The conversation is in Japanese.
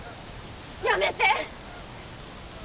やめて！